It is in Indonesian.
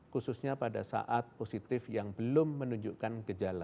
khususnya pada saat positif yang belum menunjukkan gejala